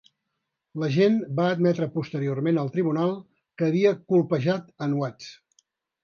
L"agent va admetre posteriorment al tribunal que havia colpejat en Watts.